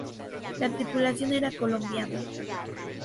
La tripulación era colombiana.